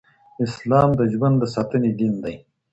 اسلام د ژوند د ساتني دين دی.